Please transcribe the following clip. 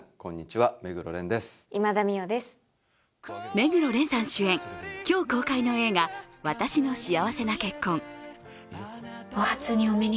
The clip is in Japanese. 目黒蓮さん主演、今日公開の映画「わたしの幸せな結婚」。